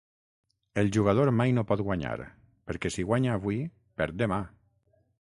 El jugador mai no pot guanyar; perquè si guanya avui, perd demà.